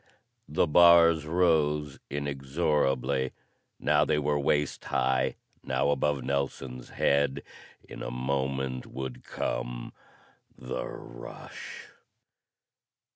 The bars rose inexorably. Now they were waist high.... Now above Nelson's head.... In a moment would come the rush.